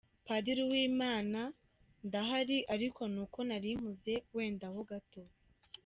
Padiri Uwimana: Ndahari ariko nuko nari mpuze wenda ho gato.